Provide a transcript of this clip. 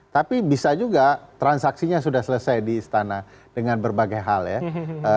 tapi bisa juga transaksinya sudah selesai di istana dengan berbagai hal ya